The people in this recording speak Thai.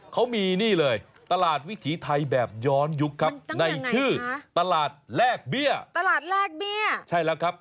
เขามีนี่เลยตลาดวิถีไทยแบบย้อนยุคครับ